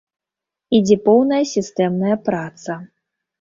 Ідзе поўная сістэмная праца.